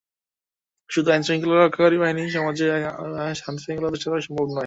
শুধু আইনশৃঙ্খলা রক্ষাকারী বাহিনী দিয়ে সমাজে শান্তিশৃঙ্খলা প্রতিষ্ঠা করা সম্ভব নয়।